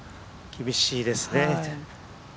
厳しいですね。